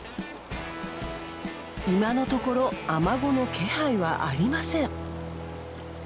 今のところアマゴの気配はありません。